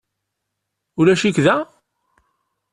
Ulac-ik da?